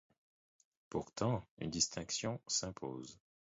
Pourtant une distinction s’impose.